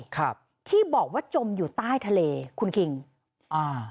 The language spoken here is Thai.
ครับที่บอกว่าจมอยู่ใต้ทะเลคุณคิงอ่า